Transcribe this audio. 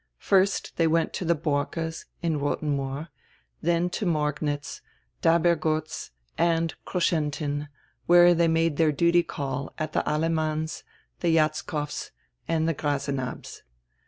First they went to the Borckes' in Rothenmoor, then to Morgnitz, Dabergotz, and Kroschentin, where they made their duty call at the Ahlemanns', the Jatzkows', and the Grasenabbs'.